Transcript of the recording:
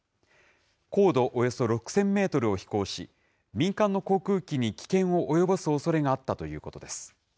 高度およそ６０００メートルを飛行し、民間の航空機に危険を及ぼすおそれがあったということです。